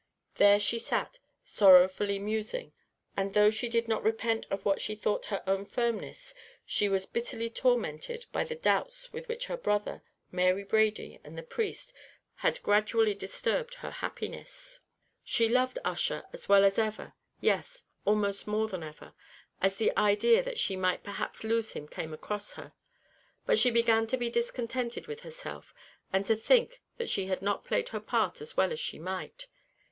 There she sat, sorrowfully musing; and though she did not repent of what she thought her own firmness, she was bitterly tormented by the doubts with which her brother, Mary Brady, and the priest, had gradually disturbed her happiness. She loved Ussher as well as ever yes, almost more than ever, as the idea that she might perhaps lose him came across her but she began to be discontented with herself, and to think that she had not played her part as well as she might.